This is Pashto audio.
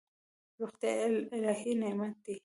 روغتیا الهي نعمت دی.